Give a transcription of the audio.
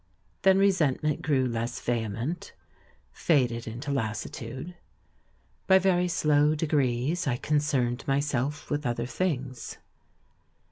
Then re sentment grew less vehement — faded into lassi tude. By very slow degrees I concerned myself with other things.